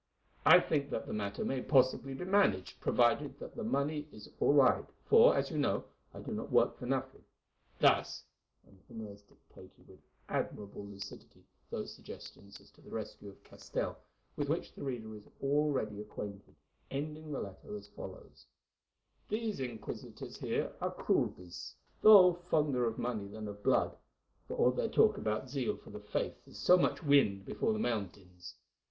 I think that the matter may possibly be managed, provided that the money is all right, for, as you know, I do not work for nothing. Thus——'" And Inez dictated with admirable lucidity those suggestions as to the rescue of Castell, with which the reader is already acquainted, ending the letter as follows: "'These Inquisitors here are cruel beasts, though fonder of money than of blood; for all their talk about zeal for the Faith is so much wind behind the mountains.